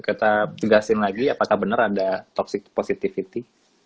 kita tugasin lagi apakah bener ada toxic positivity